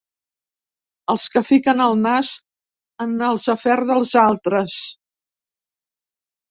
Els que fiquen el nas en els afers dels altres.